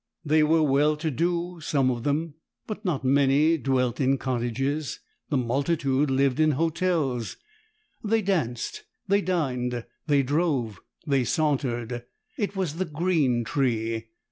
They were well to do, some of them. But not many dwelt in cottages. The multitude lived in hotels. They danced, they dined, they drove, they sauntered. It was the green tree.